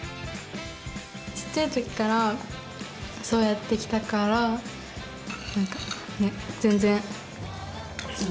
ちっちゃいときからそうやってきたからなんかね全然普通です。